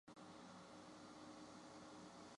皮姆利科圣加百列堂位于华威广场西南侧。